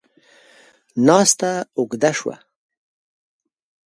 ناسته اوږده شوه.